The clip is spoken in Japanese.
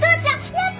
やった！